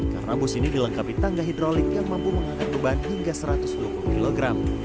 karena bus ini dilengkapi tangga hidrolik yang mampu mengangkat beban hingga satu ratus dua puluh kg